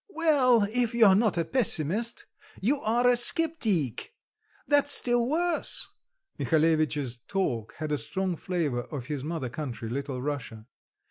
"Well, if you are not a pessimist you are a scepteec, that's still worse." Mihalevitch's talk had a strong flavour of his mother country, Little Russia.